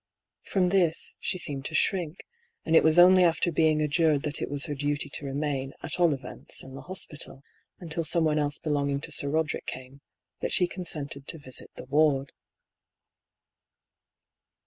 From this she seemed to shrink; and it was only after being adjured that it was her duty to remain, at all events, in the hospital, until someone else belonging to Sir Roderick came — that she consented to visit the ward.